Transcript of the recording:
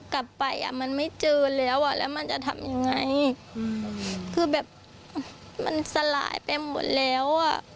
กลับไปมันไม่เจอแล้วแล้วมันจะทำยังไงคือแบบมันสลายไปหมดแล้ว